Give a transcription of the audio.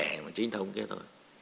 thẻ mà chính thông kia thôi